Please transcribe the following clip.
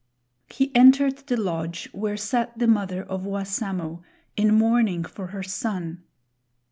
He entered the lodge where sat the mother of Wassamo in mourning for her son.